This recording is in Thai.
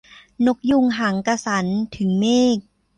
นกยูงหางกระสัน ถึงเมฆ